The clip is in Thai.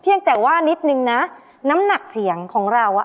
ยังแต่ว่านิดนึงนะน้ำหนักเสียงของเราอ่ะ